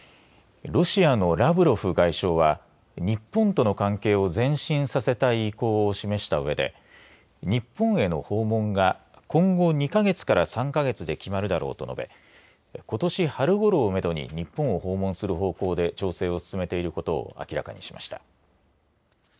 ロシアのラブロフ外相は日本との関係を前進させたい意向を示したうえで日本への訪問が今後、２か月から３か月で決まるとのと述べことし春ごろをめどに日本を訪問する方向で進めていることを明らかしました。